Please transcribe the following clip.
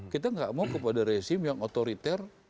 kita nggak mau kepada rezim yang otoriter